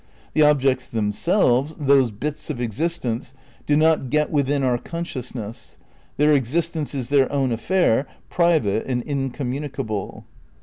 The objects themselves, those bits of existence, do not get within our consciousness. Their existence is their own affair, private and in communicable."